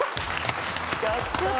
やった。